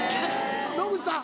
野口さん